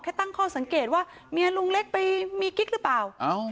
ตั้งข้อสังเกตว่าเมียลุงเล็กไปมีกิ๊กหรือเปล่า